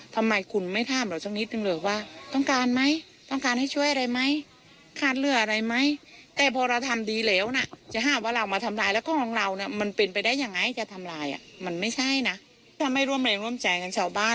ทำไมคุณไม่ท่ามเหลือจังนิดหนึ่งเลยว่า